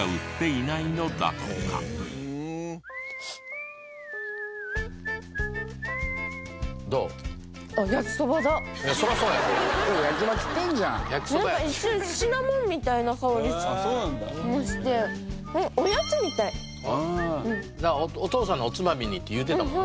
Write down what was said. なんか一瞬お父さんのおつまみにって言うてたもんね。